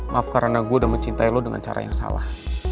maaf karena gue udah mencintai lo dengan cara yang salah